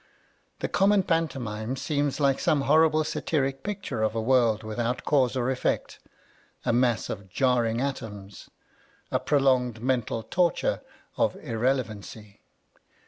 The common pantomime seems like some horrible satiric picture of a world A Defence of Farce without cause or effect, a mass of "jarring atoms," a prolonged mental torture of irrele vancy.